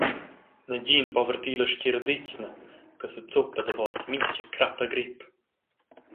Negin po vertir la stgiradetgna che sezuppa davos mintga crap e grep.